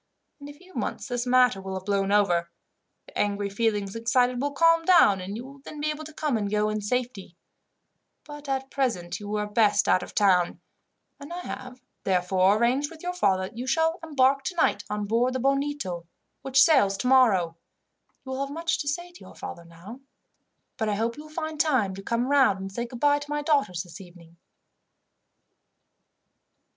In a few months this matter will have blown over, the angry feelings excited will calm down, and you will then be able to come and go in safety; but at present you were best out of the town, and I have, therefore, arranged with your father that you shall embark tonight on board the Bonito, which sails tomorrow. You will have much to say to your father now, but I hope you will find time to come round, and say goodbye to my daughters, this evening."